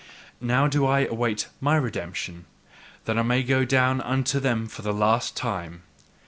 Now do I await MY redemption that I may go unto them for the last time.